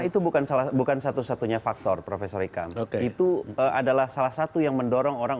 itu bukan salah bukan satu satunya faktor profesor ikam itu adalah salah satu yang mendorong orang